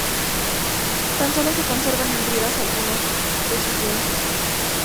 Tan solo se conservan en ruinas algunos de sus lienzos.